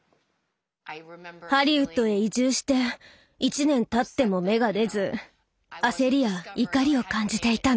ハリウッドへ移住して１年たっても芽が出ず焦りや怒りを感じていたの。